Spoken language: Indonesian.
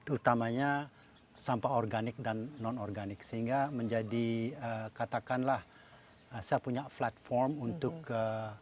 utamanya sampah organik dan non organik sehingga menjadi katakanlah saya punya platform untuk ke